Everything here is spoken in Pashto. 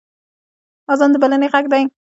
اذان د بلنې غږ دی